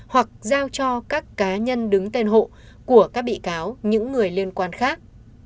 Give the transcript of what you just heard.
hoặc giao cho các cá nhân đứng tên hộ của các bị cáo những người liên quan khác